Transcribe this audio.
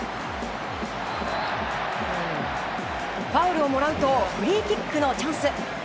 ファウルをもらうとフリーキックのチャンス。